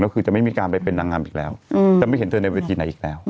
ก็คือจะไม่มีการไปเป็นนางงามอีกแล้วจะไม่เห็นเธอในเวทีไหนอีกแล้ว